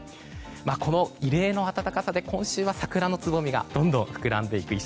この異例の暖かさで今週は桜のつぼみがどんどん膨らんでいく１